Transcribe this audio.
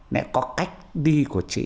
nãy có cách đi của chị